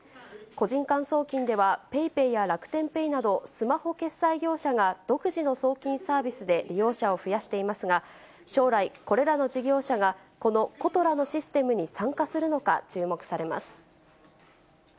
個人間送金では、ＰａｙＰａｙや楽天ペイなど、スマホ決済業者が、独自の送金サービスで利用者を増やしていますが、将来、これらの事業者が、このことらのシステムに参加するのか、注目されます。